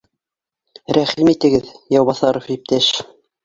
— Рәхим итегеҙ, Яубаҫаров иптәш